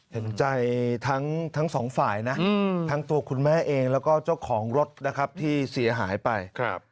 เห็นใจทั้งสองฝ่ายนะทั้งตัวคุณแม่เองแล้วก็เจ้าของรถนะครับที่เสียหายไป